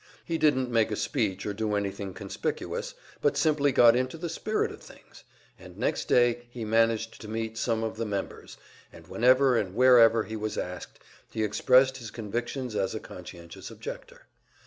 He didn't make a speech or do anything conspicuous, but simply got into the spirit of things; and next day he managed to meet some of the members, and whenever and wherever he was asked, he expressed his convictions as a conscientious objector.